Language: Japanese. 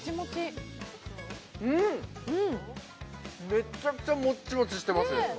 めっちゃくちゃもっちもちしてます。